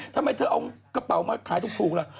ทำไมเธอเอากระเป๋ามาขายทุกภูมิแหละ